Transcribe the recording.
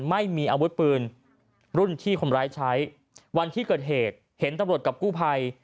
ไม่มีอาวุธปืนรุ่นที่คนร้ายใช้วันที่เกิดเหตุเห็นตำรวจกับกู้ภัย